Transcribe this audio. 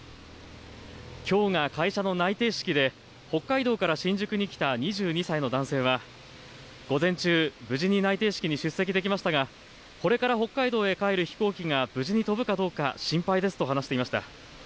きょうが会社の内定式で北海道から新宿に来た２２歳の男性は午前中、無事に内定式に出席できましたがこれから北海道へ帰る飛行機が無事に飛ぶかどうか心配ですと話していました。